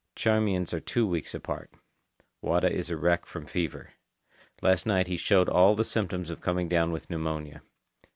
Charmian's are two weeks apart. Wada is a wreck from fever. Last night he showed all the symptoms of coming down with pneumonia.